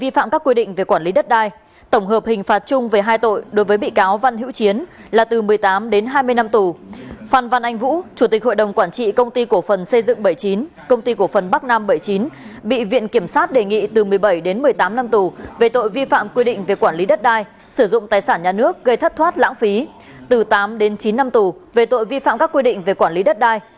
phan văn anh vũ chủ tịch hội đồng quản trị công ty cổ phần xây dựng bảy mươi chín công ty cổ phần bắc nam bảy mươi chín bị viện kiểm sát đề nghị từ một mươi bảy đến một mươi tám năm tù về tội vi phạm quy định về quản lý đất đai sử dụng tài sản nhà nước gây thất thoát lãng phí từ tám đến chín năm tù về tội vi phạm các quy định về quản lý đất đai